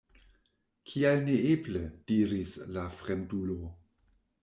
Kial neeble? diris la fremdulo.